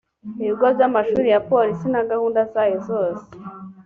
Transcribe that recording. ibigo by amashuri ya polisi na gahunda zayo zose